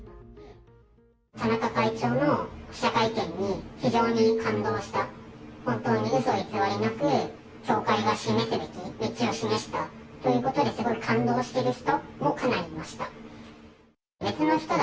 田中会長の記者会見に非常に感動した、本当にうそ偽りなく、教会が示すべき道を示したということにすごい感動してる人もかなりいました。